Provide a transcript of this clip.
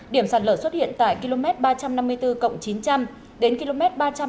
điểm sạt lở xuất hiện tại km ba trăm năm mươi bốn chín trăm linh đến km ba trăm bảy mươi